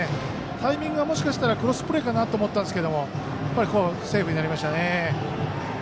タイミングはもしかしたらクロスプレーかなと思ったんですけどセーフになりましたね。